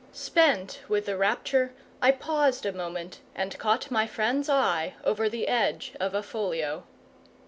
Spent with the rapture, I paused a moment and caught my friend's eye over the edge of a folio.